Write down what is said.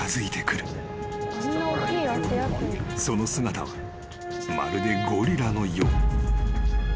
［その姿はまるでゴリラのよう］